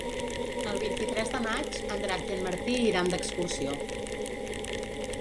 El vint-i-tres de maig en Drac i en Martí iran d'excursió.